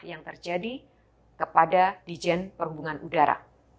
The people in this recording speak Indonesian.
yang terjadi kepada dijen perhubungan udara